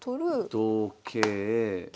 同桂。